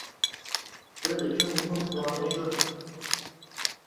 Biz uchun muhim xulosa shu.